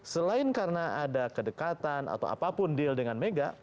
selain karena ada kedekatan atau apapun deal dengan mega